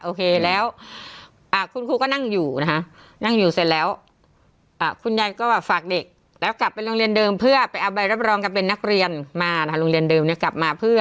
โอเคแล้วคุณครูก็นั่งอยู่นะครับนั่งอยู่เสร็จแล้วคุณยายก็ฝากเด็กแล้วกลับไปโรงเรียนเดิมเพื่อไปเอาใบรับรองกับเป็นนักเรียนมานะครับ